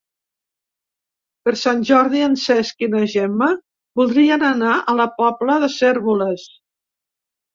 Per Sant Jordi en Cesc i na Gemma voldrien anar a la Pobla de Cérvoles.